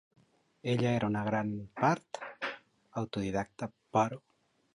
Ella era en gran part autodidacta, però.